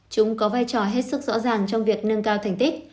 chúng có vai trò hết sức rõ ràng trong việc nâng cao thành tích